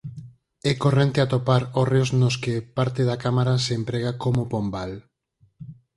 É corrente atopar hórreos nos que parte da cámara se emprega como pombal.